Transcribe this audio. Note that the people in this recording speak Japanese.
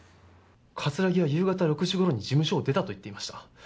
葛城は夕方６時ごろに事務所を出たと言っていました。